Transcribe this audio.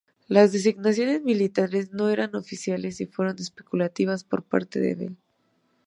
Las designaciones militares no eran oficiales y fueron especulativas por parte de Bell.